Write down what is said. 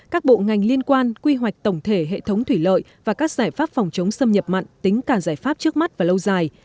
các bộ ngành liên quan quy hoạch tổng thể hệ thống thủy lợi và các giải pháp phòng chống xâm nhập mặn tính cả giải pháp trước mắt và lâu dài